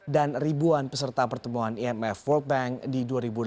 dan ribuan peserta pertemuan imf world bank di dua ribu delapan belas